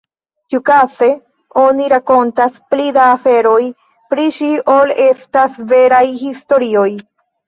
Ĉiukaze oni rakontas pli da aferoj pri ŝi ol estas veraj historioj.